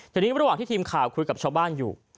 ทีนี้ระหว่างที่ทีมข่าวคุยกับชาวบ้านอยู่